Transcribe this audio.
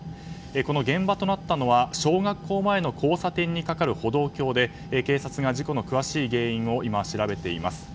この現場となったのは小学校前の交差点にかかる歩道橋で警察が事故の詳しい原因を調べています。